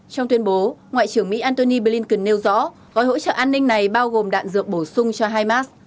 trong tuyên bố ngoại trưởng mỹ antony blinken nêu rõ gói hỗ trợ an ninh này bao gồm đạn dược bổ sung cho hamas